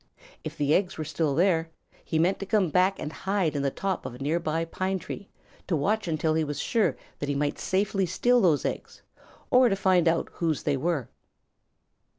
If the eggs were still there, he meant to come back and hide in the top of a near by pine tree to watch until he was sure that he might safely steal those eggs, or to find out whose they were.